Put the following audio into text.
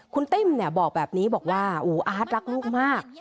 คุณติ้มบอกแบบนี้บอกว่าอู๋อาร์ตรักลูกมาก